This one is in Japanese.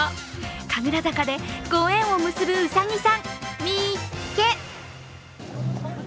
神楽坂でご縁を結ぶうさぎさんみーっけ！